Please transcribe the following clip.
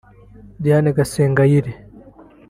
Diane Gasengayire